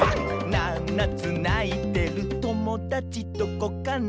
「ななつないてるともだちどこかな」